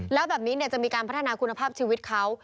แล้วแบบนี้จะมีการพัฒนาคุณภาพชีวิตเขา